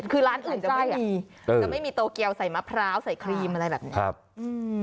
คือร้านอื่นจะไม่มีโตเกียวใส่มะพร้าวใส่ครีมอะไรแบบนี้